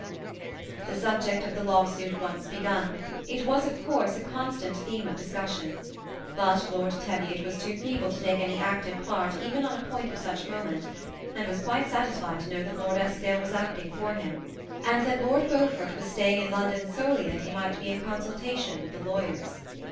The subject of the lawsuit once begun, it was of course a constant theme of discussion ; but Lord Te viot was too feeble to take any active part even on a point of such moment, and was quite satisfied to know that Lord Eskdale was acting for him, and that Lord Beaufort was staying in London, solely that he might be in consultation with the lawyers.